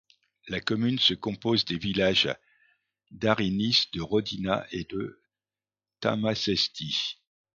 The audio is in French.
La commune se compose des villages d'Ariniș, de Rodina et de Tămășești.